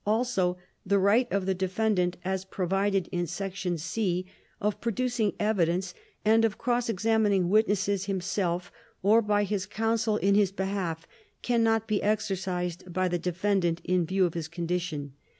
Also the right of the defendant as provided in Section (c) of producing evidence and of cross examining witnesses himself or by his counsel in his behalf can not be exercised by the defendant in view of his condition.